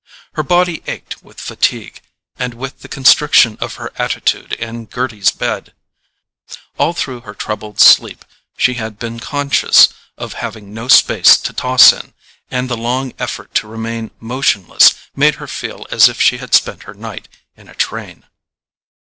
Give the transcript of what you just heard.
Her body ached with fatigue, and with the constriction of her attitude in Gerty's bed. All through her troubled sleep she had been conscious of having no space to toss in, and the long effort to remain motionless made her feel as if she had spent her night in a train.